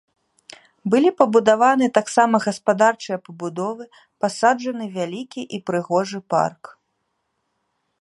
Былі пабудаваны таксама гаспадарчыя пабудовы, пасаджаны вялікі і прыгожы парк.